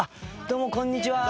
どうもこんにちは。